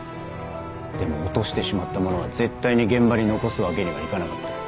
でも落としてしまったものは絶対に現場に残すわけにはいかなかった。